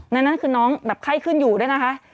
นั่นคือน้องแบบไข้ขึ้นอยู่ด้วยนะคะ